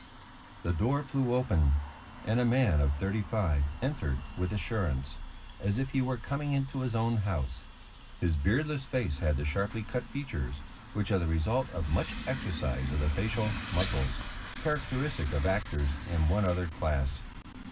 The door flew open, and a man of thirty five entered with assurance, as if he were coming into his own house. His beardless face had the sharply cut features which are the result of much exercise of the facial muscles, characteristic of actors and one other class.